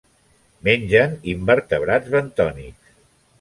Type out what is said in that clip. Mengen invertebrats bentònics.